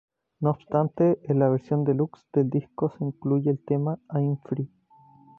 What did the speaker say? No obstante, en la versión deluxe del disco se incluye el tema I'm Free.